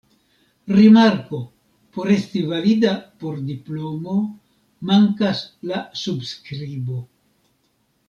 Rimarko: por esti valida por diplomo mankas la subskribo.